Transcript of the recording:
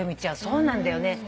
そうなんだよね。